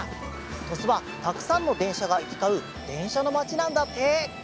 とすはたくさんのでんしゃがいきかうでんしゃのまちなんだって！